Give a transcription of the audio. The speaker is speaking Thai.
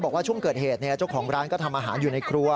บอกว่าช่วงเกิดเหตุเจ้าของร้านก็ทำอาหารอยู่ในครัว